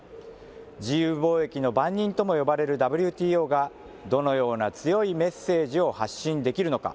自由貿易の番人とも呼ばれるＷＴＯがどのような強いメッセージを発信できるのか。